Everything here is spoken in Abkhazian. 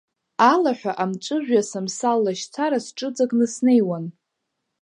Алаҳәа амҵәыжәҩа самсал лашьцара сҽыҵакны снеиуан.